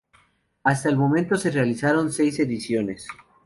Hasta el momento se realizaron seis ediciones.